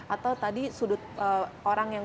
atau tadi sudut orang yang